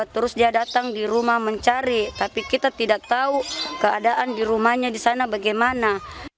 terus dia datang di rumah mencari tapi kita tidak tahu keadaan di rumahnya di sana bagaimana